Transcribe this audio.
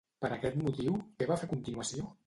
Per aquest motiu, què va fer a continuació?